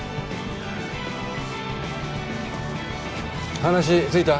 話ついた？